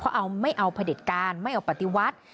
เขาเอาไม่เอาผลิตการไม่เอาปฏิวัติ